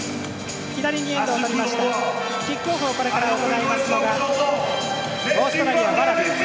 左にエンドをとりましたキックオフを行いますのがオーストラリア、ワラビーズ。